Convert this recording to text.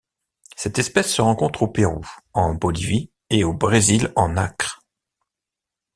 Cette espèce se rencontre au Pérou, en Bolivie et au Brésil en Acre.